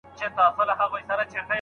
هغه موضوع چي څېړل کېږي خورا نوې ده.